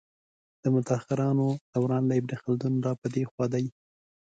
د متاخرانو دوران له ابن خلدون را په دې خوا دی.